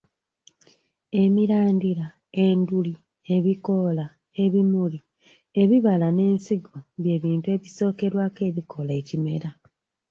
Emirandira, enduli, ebikoola, ebimuli, ebibala n'ensigo by'ebitundu ebisookerwako ebikola ekimera